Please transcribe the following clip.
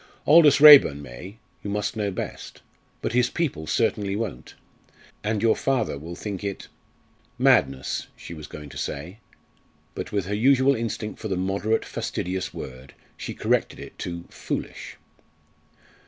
Aldous Raeburn may you must know best. But his people certainly won't; and your father will think it " "Madness," she was going to say, but with her usual instinct for the moderate fastidious word she corrected it to "foolish."